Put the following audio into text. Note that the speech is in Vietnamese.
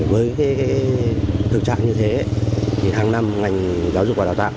với thực trạng như thế thì hàng năm ngành giáo dục và đào tạo